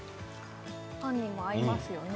パンにも合いますよね